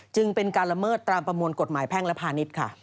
จึงเป็นการละเมิดตามประมวลกฎหมายแพ่งและพาณิชย์ค่ะ